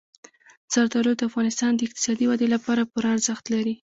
زردالو د افغانستان د اقتصادي ودې لپاره پوره ارزښت لري.